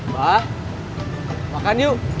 bah makan yuk